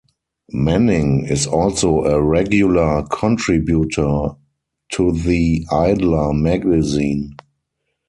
Manning is also a regular contributor to The Idler magazine.